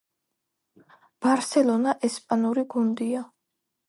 ბარსელონა ესპანური გუნდია